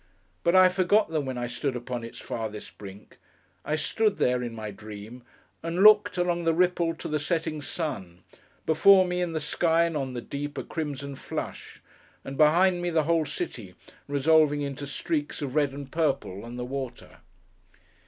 But I forgot them when I stood upon its farthest brink—I stood there, in my dream—and looked, along the ripple, to the setting sun; before me, in the sky and on the deep, a crimson flush; and behind me the whole city resolving into streaks of red and purple, on the water.